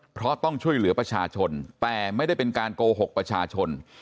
เพราะต้องช่วยเหลือประชาชนแต่ไม่ได้เป็นการโกหกประชาชน